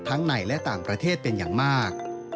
ในและต่างประเทศเป็นอย่างมาก